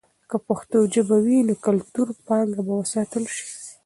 که پښتو ژبه وي، نو کلتوري پانګه به وساتل سي.